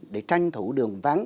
để tranh thủ đường vắng